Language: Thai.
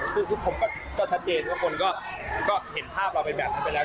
คือผมก็ชัดเจนว่าคนก็เห็นภาพเราเป็นแบบนั้นไปแล้ว